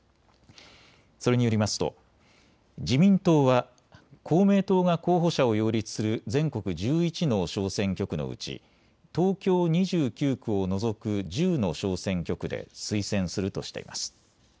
それによりますと自民党は公明党が候補者を擁立する全国１１の小選挙区のうち東京２９区を除く１０の小選挙区で推薦するとしています。